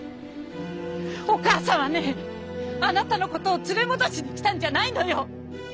お母さんはねえあなたのことを連れ戻しに来たんじゃないのよ！